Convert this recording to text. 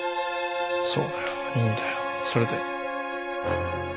そうだよいいんだよそれで。